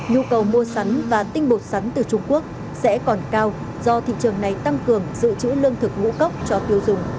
nhu cầu mua sắm và tinh bột sắn từ trung quốc sẽ còn cao do thị trường này tăng cường dự trữ lương thực ngũ cốc cho tiêu dùng